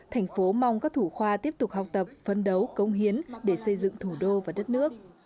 thành phố mong các thủ khoa tiếp tục học tập phấn đấu công hiến để xây dựng thủ đô và đất nước